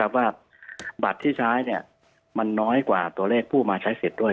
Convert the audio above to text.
ว่าบัตรที่ใช้มันน้อยกว่าตัวเลขผู้มาใช้สิทธิ์ด้วย